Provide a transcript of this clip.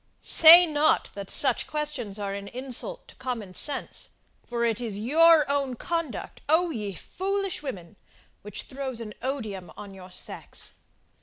Say not that such questions are an insult to common sense for it is your own conduct, O ye foolish women! which throws an odium on your sex!